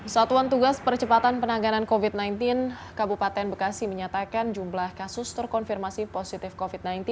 satuan tugas percepatan penanganan covid sembilan belas kabupaten bekasi menyatakan jumlah kasus terkonfirmasi positif covid sembilan belas